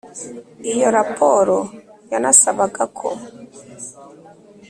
iyo rapport yanasabaga ko,